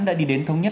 đã đi đến thống nhất